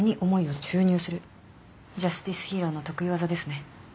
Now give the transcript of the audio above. ジャスティスヒーローの得意技ですね。